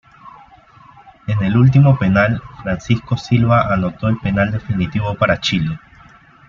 En el último penal, Francisco Silva anotó el penal definitivo para Chile.